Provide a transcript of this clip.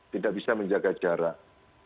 tidak bisa menjaga jarak